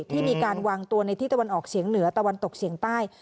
ที่มีการวางตัวในที่ตะวันออกเฉียงเหนือตะวันตกเฉียงใต้